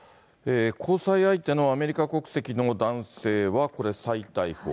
交際相手のアメリカ国籍の男性はこれ、再逮捕。